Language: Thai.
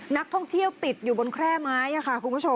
นักท่องเที่ยวติดอยู่บนแคลชีวิต